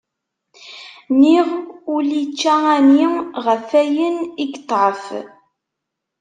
Niɣ ul ičča ani, ɣef ayen i yeṭɛef